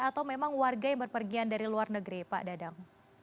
atau memang warga yang berpergian dari luar negeri pak dadang